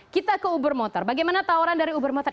kita ke uber motor bagaimana tawaran dari uber motorik